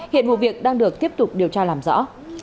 hiện vụ việc đang được tiếp tục điều tra làm rõ